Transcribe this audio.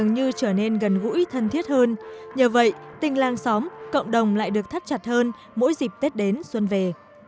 như trở nên gần gũi thân thiết hơn nhờ vậy tình làng xóm cộng đồng lại được thắt chặt hơn mỗi dịp tết đến xuân về